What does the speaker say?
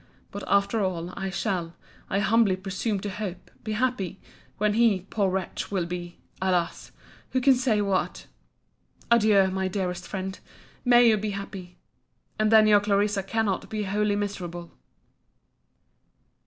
—But, after all, I shall, I humbly presume to hope, be happy, when he, poor wretch, will be—alas!—who can say what!—— Adieu, my dearest friend!—May you be happy!—And then your Clarissa cannot be wholly miserable!